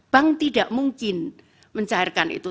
bank tidak mungkin mencairkan itu